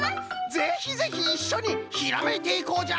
ぜひぜひいっしょにひらめいていこうじゃ。